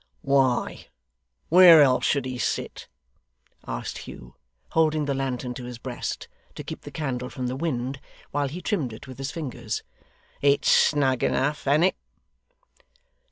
'Why, where else should he sit?' asked Hugh, holding the lantern to his breast, to keep the candle from the wind, while he trimmed it with his fingers. 'It's snug enough, an't it?